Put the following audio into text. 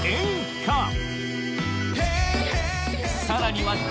さらには